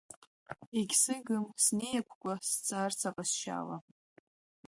Егьсыгым сниакәкәа сцарц аҟазшьала…